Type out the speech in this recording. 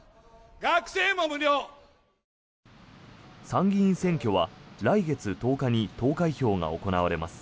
参議院選挙は来月１０日に投開票が行われます。